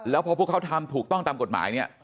แล้วพอพวกเขาทำถูกต้องตามกฎหมายเนี่ย